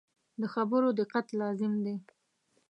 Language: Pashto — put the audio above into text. د خبرو دقت لازم دی.